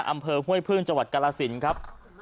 อำเภอห้วยพื้นจกรสินครับ